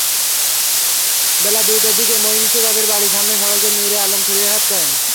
বেলা দুইটার দিকে মঈনকে তাঁদের বাড়ির সামনের সড়কে নুরে আলম ছুরিকাঘাত করেন।